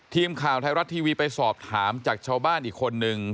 ทีมข่าวไทยรัฐทีวีไปสอบถามจากชาวบ้านอีกคนนึง